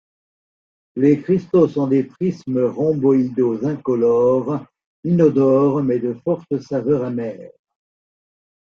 Les cristaux sont des prismes rhomboïdaux incolores, inodores, mais de forte saveur amère.